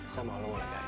sama lo mulai dari